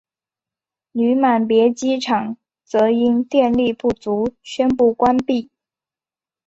女满别机场则因电力不足宣布关闭。